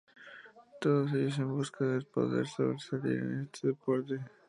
Todos ellos en busca de poder sobresalir en este deporte.